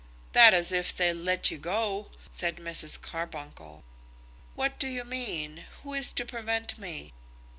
"That is if they let you go," said Mrs. Carbuncle. "What do you mean? Who is to prevent me?"